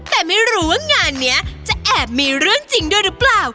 แต่ไม่รู้ว่างานนี้จะแอบมีเรื่องจริงด้วยหรือเปล่า